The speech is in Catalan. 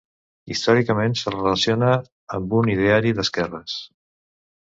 Històricament se'l relaciona amb un ideari d'esquerres.